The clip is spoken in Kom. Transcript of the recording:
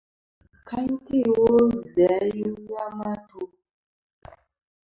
Kàŋtɨ iwo zɨ a i ghɨ a ma tu.